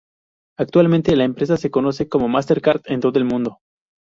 Actualmente, la empresa se conoce como MasterCard en todo el mundo.